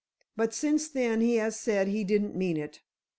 But since then he has said he didn't mean it.